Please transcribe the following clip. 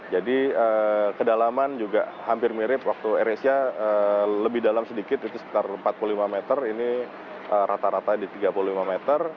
jadi kedalaman juga hampir mirip waktu airesia lebih dalam sedikit itu sekitar empat puluh lima meter ini rata rata di tiga puluh lima meter